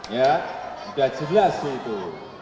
ya sudah jelas itu